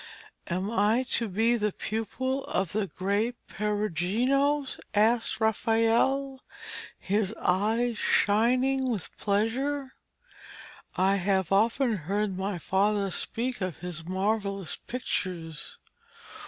'Am I to be the pupil of the great Perugino?' asked Raphael, his eyes shining with pleasure. 'I have often heard my father speak of his marvellous pictures.'